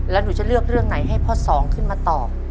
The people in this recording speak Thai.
แล้วหนูจะเลือกเรื่องไหนให้พ่อสองขึ้นมาตอบ